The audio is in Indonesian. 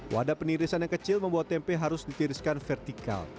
wadah penirisan yang kecil membuat tempe harus ditiriskan vertikal